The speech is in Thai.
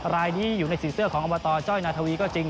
รายนี้อยู่ในสีเสื้อของอับวะตรเวียทราวีก็จริง